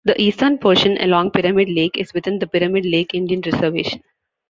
The eastern portion along Pyramid Lake is within the Pyramid Lake Indian Reservation.